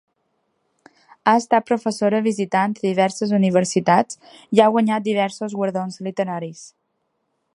Ha estat professora visitant a diverses universitats i ha guanyat diversos guardons literaris.